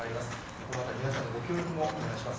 このあたり、皆さんのご協力もお願いします。